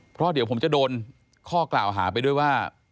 เพราะเดี๋ยวผมจะโดนข้อกล่าวหาไปด้วยว่า